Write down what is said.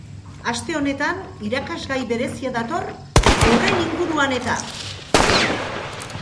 Aste honetan irakasgai berezia dator horren inguruan eta!